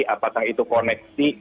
apakah itu koneksi